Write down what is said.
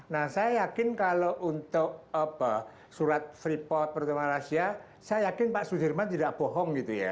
nah saya yakin kalau untuk surat freeport pertama malaysia saya yakin pak sudirman tidak bohong gitu ya